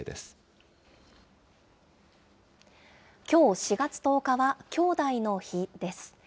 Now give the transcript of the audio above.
きょう、４月１０日はきょうだいの日です。